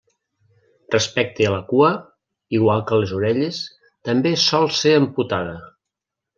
Respecte a la cua, igual que les orelles, també sol ser amputada.